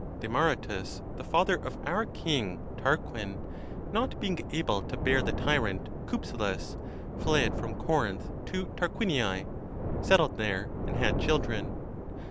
Demaratus, the father of our King Tarquin, not being able to bear the tyrant Cypselus, fled from Corinth to Tarquinii, settled there, and had children.